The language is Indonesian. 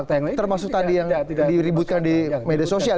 termasuk tadi yang diributkan di media sosial